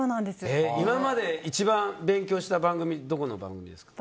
今まで一番勉強した番組はどこの番組ですか？